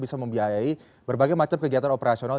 bisa membiayai berbagai macam kegiatan operasional